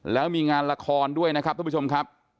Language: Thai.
แล้วมีงานละครด้วยนะครับทุกผู้ชมครับ